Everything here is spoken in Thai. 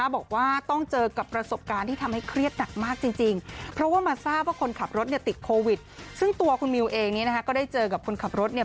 บอกว่าต้องเจอกับประสบการณ์ที่ทำให้เครียดหนักมากจริงที่จริง